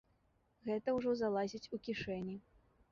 Гэта ўжо залазяць у кішэні.